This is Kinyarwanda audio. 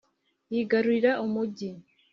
yigarurira umugi